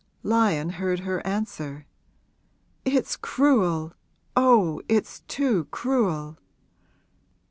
Lyon heard her answer. 'It's cruel oh, it's too cruel!'